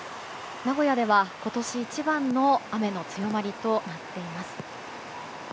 名古屋では今年一番の雨の強まりとなっています。